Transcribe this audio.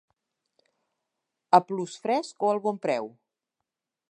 Al Plusfresc o al Bonpreu?